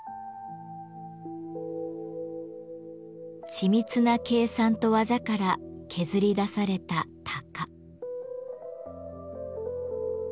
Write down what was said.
緻密な計算と技から削り出された「鷹」。